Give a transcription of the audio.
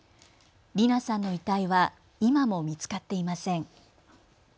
理奈さんの遺体は今も見つかっていません。